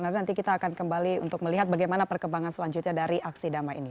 nanti kita akan kembali untuk melihat bagaimana perkembangan selanjutnya dari aksi damai ini